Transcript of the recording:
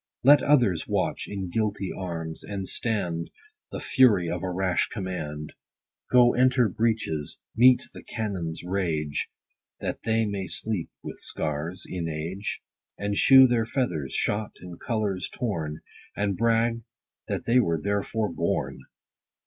Let others watch in guilty arms, and stand The fury of a rash command, Go enter breaches, meet the cannon's rage, 60 That they may sleep with scars in age ; And shew their feathers shot, and colors torn, And brag that they were therefore born.